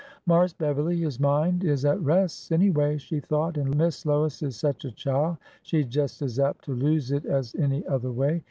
Marse Beverly his mind is at res', anyway," she thought ; an' Miss Lois is sech a chile she jes' as apt to lose it as any other way.